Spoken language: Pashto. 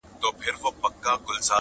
• له ظالمه به مظلوم ساتل کېدلای -